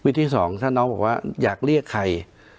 ที่สองถ้าน้องบอกว่าอยากเรียกใคร